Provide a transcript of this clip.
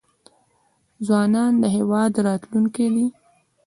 ځوانان د هیواد راتلونکی دی